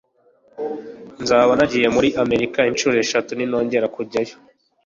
nzaba nagiye muri amerika inshuro eshatu ninongera kujyayo